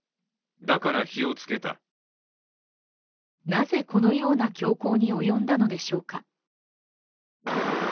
なぜ、このような凶行に及んだのでしょうか。